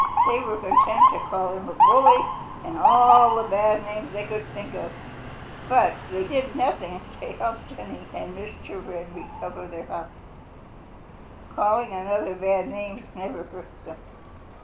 They were content to call him a bully and all the bad names they could think of, but that did nothing to help Jenny and Mr. Wren recover their house. Calling another bad names never hurts him.